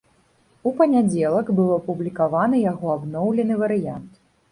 У панядзелак быў апублікаваны яго абноўлены варыянт.